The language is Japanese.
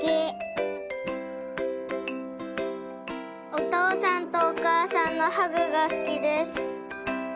お父さんとお母さんのハグが好きです。